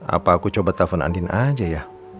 apa aku coba telepon andin aja ya